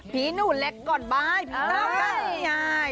ผีหนูแลกก่อนบ้าย